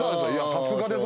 さすがです